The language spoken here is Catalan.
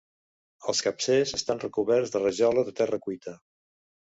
Els capcers estan recoberts de rajola de terra cuita.